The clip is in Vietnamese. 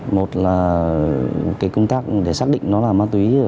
một là công tác để xác định nó là ma túy trong danh mục